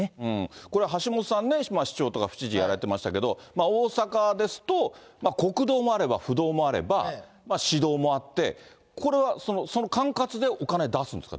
これ、橋下さんね、市長とか府知事やられてましたけど、大阪ですと、国道もあれば府道もあれば、市道もあって、これはその管轄で、お金出すんですか？